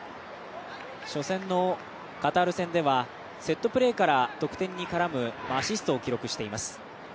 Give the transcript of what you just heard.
初戦のカタール戦ではセットプレーから得点に絡むアシストを記録しています。